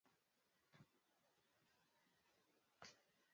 kwa mikataba ya makubaliano yenye unafuu wa kodi